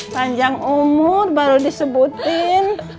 tanjang umur baru disebutin